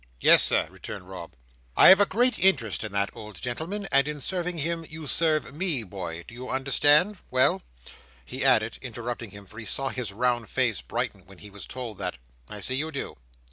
"Yes, Sir," returned Rob. "I have a great interest in that old gentleman, and in serving him, you serve me, boy, do you understand? Well," he added, interrupting him, for he saw his round face brighten when he was told that: "I see you do.